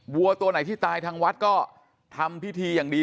วัวตัวไหนที่ตายทางวัดก็ทำพิธีอย่างดี